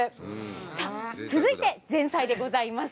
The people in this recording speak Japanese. さあ続いて、前菜でございます。